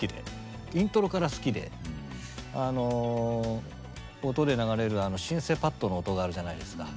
イントロから好きであの音で流れるあのシンセパッドの音があるじゃないですか。